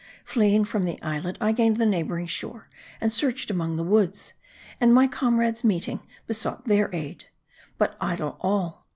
Fleeing from the islet, I gained the neighboring shore, and searched among the woods ; and my comrades meeting, besought their aid. But idle all.